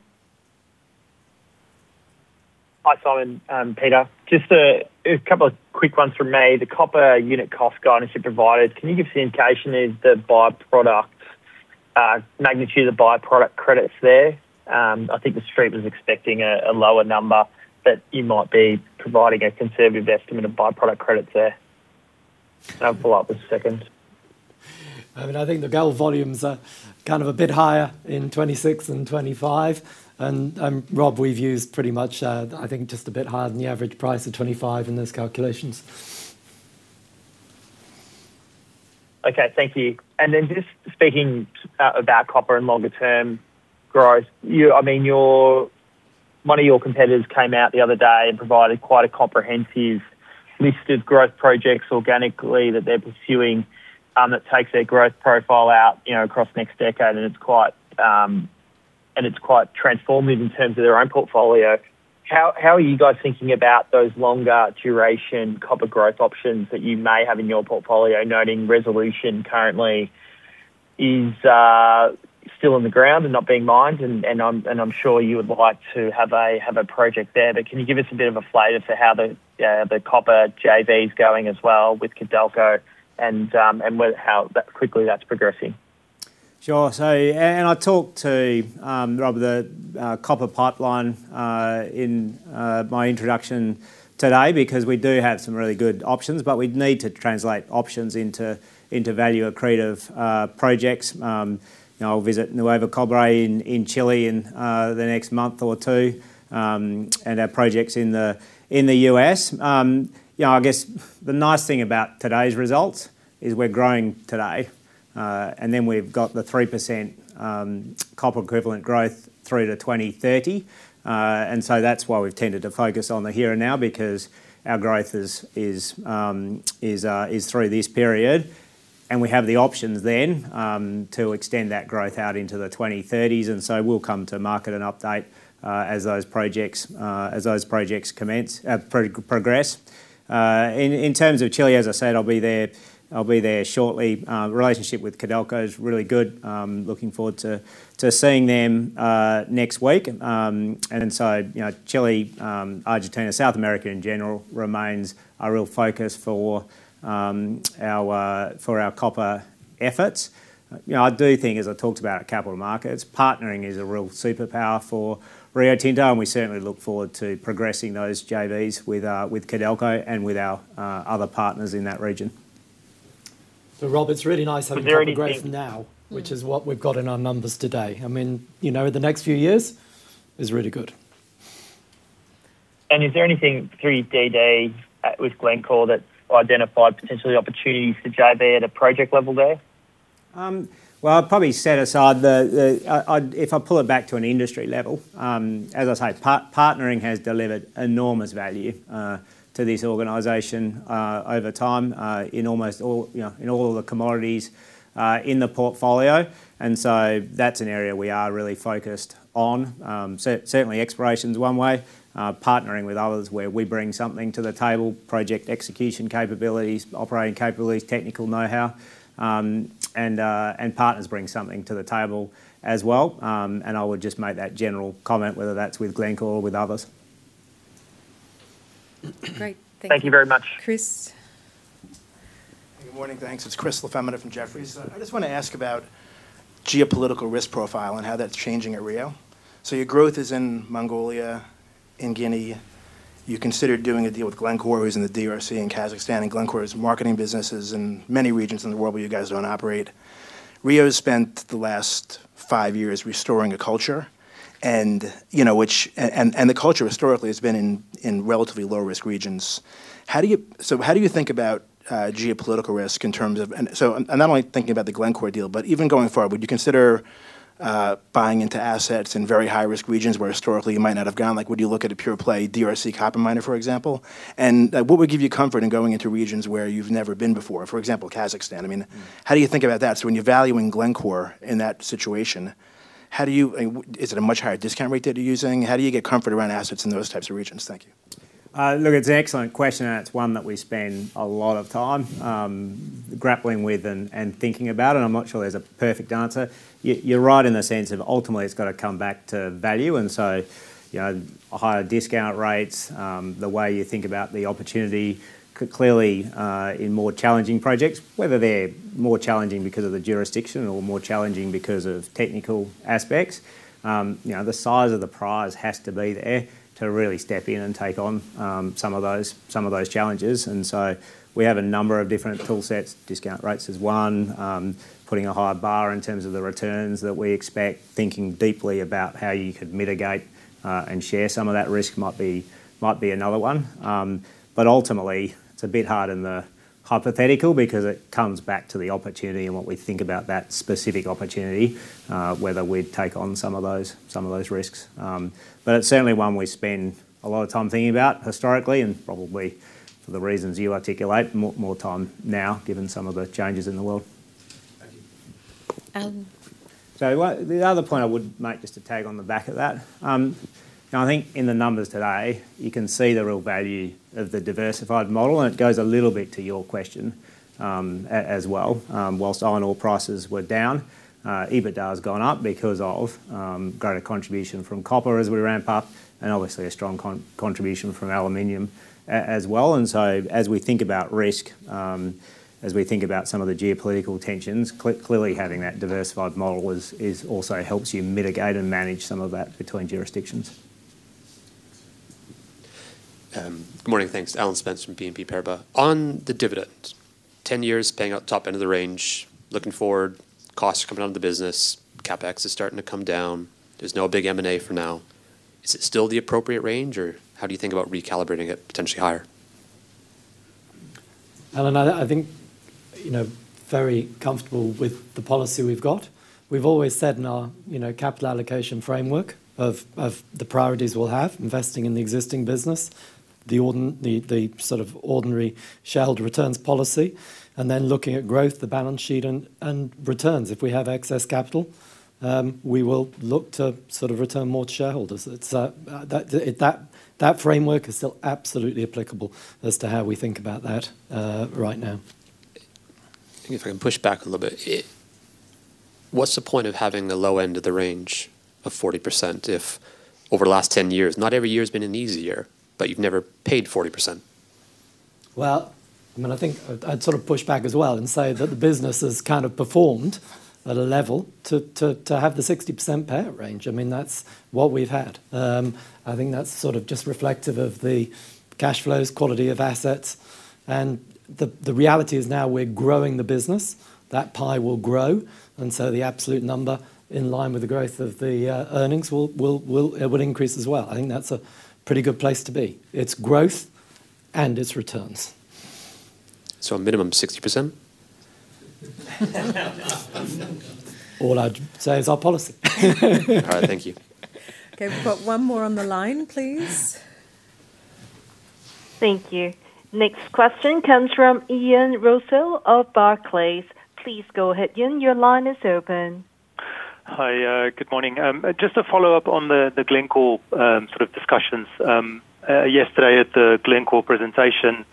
Hi, Simon and Peter. Just a couple of quick ones from me. The copper unit cost guidance you provided, can you give us an indication is the byproducts magnitude of byproduct credits there? I think the street was expecting a lower number, but you might be providing a conservative estimate of byproduct credits there. I'll follow up with a second. I mean, I think the gold volumes are kind of a bit higher in 2026 and 2025. Rob, we've used pretty much, I think, just a bit higher than the average price of 2025 in those calculations. Okay. Thank you. Just speaking about copper and longer-term growth, I mean, one of your competitors came out the other day and provided quite a comprehensive list of growth projects organically that they're pursuing, that takes their growth profile out, you know, across the next decade, and it's quite transformative in terms of their own portfolio. How are you guys thinking about those longer-duration copper growth options that you may have in your portfolio, noting Resolution currently is still on the ground and not being mined, and I'm sure you would like to have a project there. Can you give us a bit of a flavor for how the copper JV is going as well with Codelco and how quickly that's progressing? Sure. I talked to Rob, the copper pipeline in my introduction today because we do have some really good options, but we'd need to translate options into value-accretive projects. You know, I'll visit Nuevo Cobre in Chile in the next month or two and our projects in the U.S. Yeah, I guess the nice thing about today's results is we're growing today, and then we've got the 3% copper equivalent growth through to 2030. That's why we've tended to focus on the here and now, because our growth is through this period, and we have the options then to extend that growth out into the 2030s. We'll come to market and update as those projects commence progress. In terms of Chile, as I said, I'll be there shortly. Relationship with Codelco is really good. Looking forward to seeing them next week. You know, Chile, Argentina, South America in general, remains a real focus for our copper efforts. You know, I do think, as I talked about at Capital Markets, partnering is a real superpower for Rio Tinto, and we certainly look forward to progressing those JVs with Codelco and with our other partners in that region. Rob, it's really nice having. Growth now, which is what we've got in our numbers today. I mean, you know, the next few years is really good. Is there anything through D.D. with Glencore that identified potentially opportunities for JV at a project level there? Well, if I pull it back to an industry level, as I say, partnering has delivered enormous value to this organization over time in almost all, you know, in all the commodities in the portfolio. That's an area we are really focused on. Certainly, exploration is one way, partnering with others where we bring something to the table, project execution capabilities, operating capabilities, technical know-how, and partners bring something to the table as well. I would just make that general comment, whether that's with Glencore or with others. Great. Thank you. Thank you very much. Chris? Good morning. Thanks. It's Chris LaFemina from Jefferies. I just want to ask about geopolitical risk profile and how that's changing at Rio. Your growth is in Mongolia, in Guinea- You considered doing a deal with Glencore, who's in the DRC and Kazakhstan, and Glencore's marketing businesses in many regions in the world where you guys don't operate. Rio's spent the last five years restoring a culture, and, you know, the culture historically has been in relatively low-risk regions. How do you think about geopolitical risk? Not only thinking about the Glencore deal, but even going forward, would you consider buying into assets in very high-risk regions where historically you might not have gone? Like, would you look at a pure play DRC copper miner, for example? What would give you comfort in going into regions where you've never been before, for example, Kazakhstan? I mean- Mm. How do you think about that? When you're valuing Glencore in that situation, is it a much higher discount rate that you're using? How do you get comfort around assets in those types of regions? Thank you. Look, it's an excellent question, and it's one that we spend a lot of time grappling with and thinking about, and I'm not sure there's a perfect answer. You're right in the sense of ultimately it's got to come back to value, and so, you know, higher discount rates, the way you think about the opportunity, clearly, in more challenging projects, whether they're more challenging because of the jurisdiction or more challenging because of technical aspects, you know, the size of the prize has to be there to really step in and take on some of those challenges. We have a number of different tool sets. Discount rates is one, putting a high bar in terms of the returns that we expect, thinking deeply about how you could mitigate and share some of that risk might be another one. Ultimately, it's a bit hard in the hypothetical because it comes back to the opportunity and what we think about that specific opportunity, whether we'd take on some of those risks. It's certainly one we spend a lot of time thinking about historically and probably, for the reasons you articulate, more time now, given some of the changes in the world. Thank you. Um- The other point I would make, just to tag on the back of that, I think in the numbers today, you can see the real value of the diversified model, and it goes a little bit to your question as well. Whilst iron ore prices were down, EBITDA has gone up because of greater contribution from copper as we ramp up, and obviously a strong contribution from aluminum as well. As we think about risk, as we think about some of the geopolitical tensions, clearly, having that diversified model also helps you mitigate and manage some of that between jurisdictions. Good morning. Thanks. Alan Spence from BNP Paribas. On the dividend, 10 years paying out top end of the range, looking forward, costs are coming out of the business, CapEx is starting to come down. There's no big M&A for now. Is it still the appropriate range, or how do you think about recalibrating it potentially higher? Alan, I think, you know, very comfortable with the policy we've got. We've always said in our, you know, capital allocation framework of the priorities we'll have, investing in the existing business, the sort of ordinary shareholder returns policy, and then looking at growth, the balance sheet and returns. If we have excess capital, we will look to sort of return more to shareholders. That framework is still absolutely applicable as to how we think about that right now. If I can push back a little bit, what's the point of having the low end of the range of 40% if over the last 10 years, not every year has been an easy year, but you've never paid 40%? Well, I mean, I think I'd sort of push back as well and say that the business has kind of performed at a level to have the 60% payout range. I mean, that's what we've had. I think that's sort of just reflective of the cash flows, quality of assets, and the reality is now we're growing the business, that pie will grow, and so the absolute number in line with the growth of the earnings will increase as well. I think that's a pretty good place to be. It's growth and it's returns. A minimum 60%? All I'd say is our policy. All right, thank you. Okay, we've got one more on the line, please. Thank you. Next question comes from Ian Rossouw of Barclays. Please go ahead, Ian. Your line is open. Hi, good morning. Just to follow up on the Glencore sort of discussions. Yesterday at the Glencore presentation,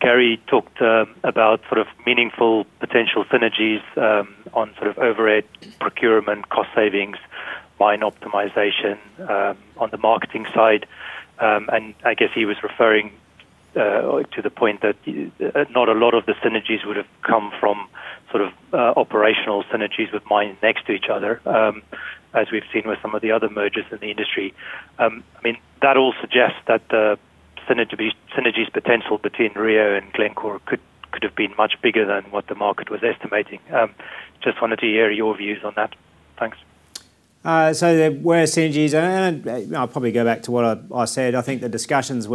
Gary talked about sort of meaningful potential synergies on sort of overhead procurement, cost savings, mine optimization, on the marketing side. I guess he was referring to the point that not a lot of the synergies would have come from sort of operational synergies with mines next to each other, as we've seen with some of the other mergers in the industry. I mean, that all suggests that the synergies potential between Rio and Glencore could have been much bigger than what the market was estimating. Just wanted to hear your views on that. Thanks. Where synergies are, and I'll probably go back to what I said, I think the discussions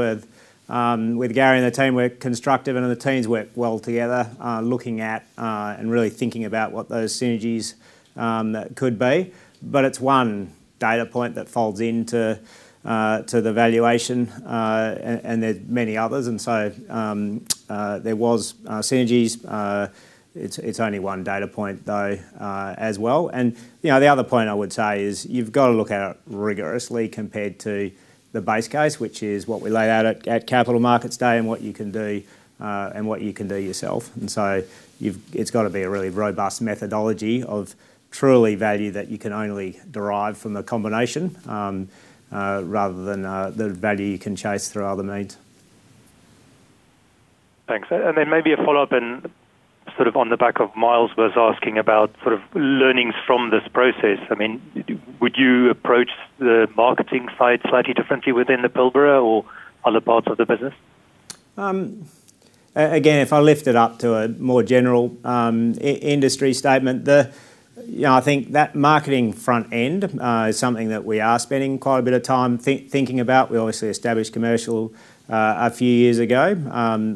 with Gary and the team were constructive and the teams worked well together, looking at and really thinking about what those synergies could be. It's one data point that folds into the valuation, and there are many others, and so there was synergies. It's only one data point, though, as well. You know, the other point I would say is you've got to look at it rigorously compared to the base case, which is what we laid out at Capital Markets Day and what you can do yourself. It's got to be a really robust methodology of truly value that you can only derive from the combination rather than the value you can chase through other means. Thanks. Maybe a follow-up and sort of on the back of Myles was asking about sort of learnings from this process. I mean, would you approach the marketing side slightly differently within the Pilbara or other parts of the business? Again, if I lift it up to a more general industry statement, you know, I think that marketing front end is something that we are spending quite a bit of time thinking about. We obviously established commercial a few years ago.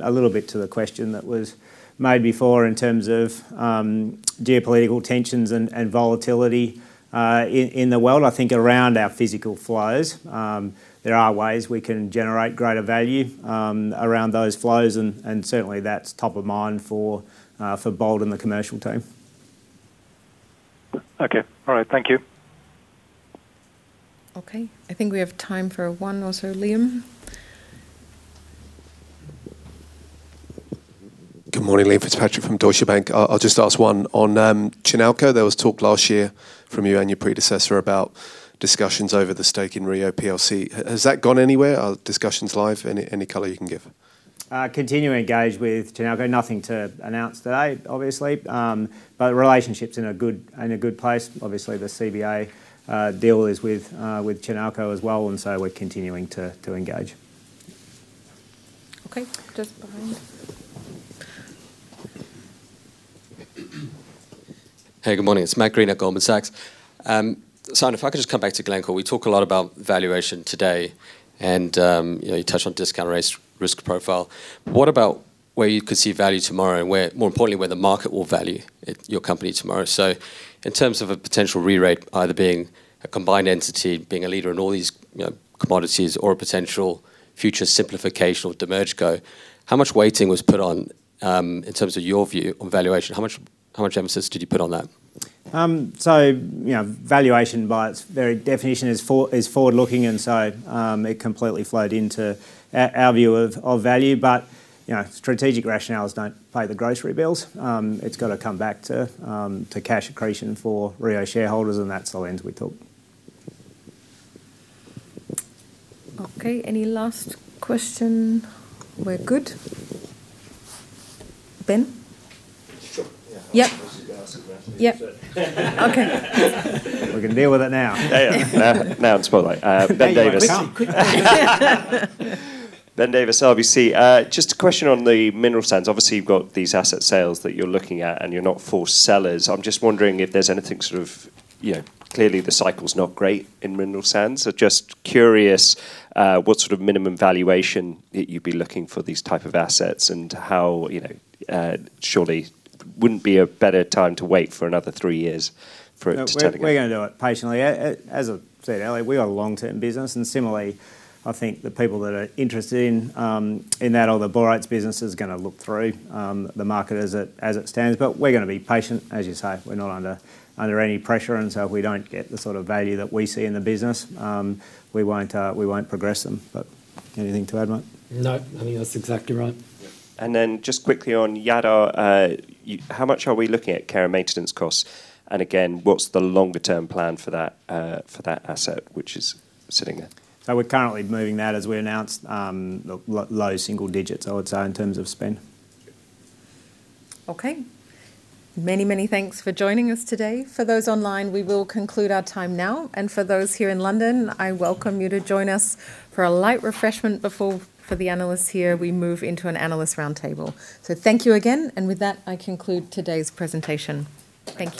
A little bit to the question that was made before in terms of geopolitical tensions and volatility in the world. I think around our physical flows, there are ways we can generate greater value around those flows, and certainly, that's top of mind for Bold and the commercial team. Okay. All right, thank you. Okay, I think we have time for one more. Liam? Good morning, Liam Fitzpatrick from Deutsche Bank. I'll just ask one. On Chinalco, there was talk last year from you and your predecessor about discussions over the stake in Rio PLC. Has that gone anywhere? Are discussions live? Any, any color you can give? Continuing to engage with Chinalco. Nothing to announce today, obviously. The relationship's in a good place. Obviously, the CDA deal is with Chinalco as well, and so we're continuing to engage. Okay, just behind. Hey, good morning. It's Matt Greene at Goldman Sachs. Simon, if I could just come back to Glencore. We talk a lot about valuation today, and, you know, you touched on discount rate, risk profile. What about where you could see value tomorrow and where, more importantly, where the market will value it, your company tomorrow? In terms of a potential re-rate, either being a combined entity, being a leader in all these, you know, commodities or a potential future simplification or demerger, how much weighting was put on in terms of your view on valuation? How much, how much emphasis did you put on that? You know, valuation by its very definition is forward-looking, and so it completely flowed into our view of value. You know, strategic rationales don't pay the grocery bills. It's gotta come back to cash accretion for Rio shareholders, and that's the lens we took. Okay, any last question? We're good. Ben? Sure, yeah. Yep. I was just going to ask a question. Yep. Okay. We can deal with it now. Yeah, yeah. Now, it's spotlight. There you are. Ben Davis. Quick, quick. Period. * Wait, "Obviously, you've got these asset sales that you're looking at, and you're not forced sellers." * Period. * Wait, "I'm just wondering if there's anything sort of, you know, clearly, the cycle's not great in mineral sands." * Period. * Wait, "Just curious what sort of minimum valuation you'd be looking for these type of assets and how, you know, surely wouldn't be a better time to wait for another three years for it to turn again?" * Question mark. * Wait, "I'm just wondering if there's anything sort o No, we're gonna do it patiently. As I said earlier, we are a long-term business, and similarly, I think the people that are interested in that or the bauxite business is gonna look through the market as it stands. We're gonna be patient. As you say, we're not under any pressure, and so if we don't get the sort of value that we see in the business, we won't progress them. Anything to add, Mike? No, I think that's exactly right. Yep. Then just quickly on Jadar, how much are we looking at care and maintenance costs? Again, what's the longer-term plan for that asset, which is sitting there? We're currently moving that, as we announced, low single digits, I would say, in terms of spend. Okay. Many, many thanks for joining us today. For those online, we will conclude our time now, and for those here in London, I welcome you to join us for a light refreshment before, for the analysts here, we move into an analyst roundtable. Thank you again, and with that, I conclude today's presentation. Thank you.